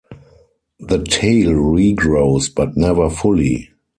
The tail regrows, but never fully.